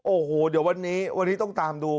โอ้โหเดี๋ยววันนี้วันนี้ต้องตามดู